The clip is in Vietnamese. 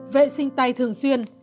vệ sinh tay thường xuyên